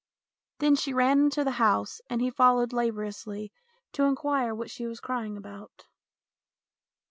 Then she ran into the house, and he followed laboriously to inquire what she was crying about.